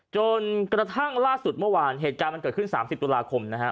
จนกระทั่งล่าสุดเมื่อวานเหตุการณ์มันเกิดขึ้น๓๐ตุลาคมนะฮะ